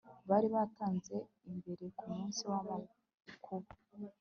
bari bantanze imbere ku munsi w'amakuba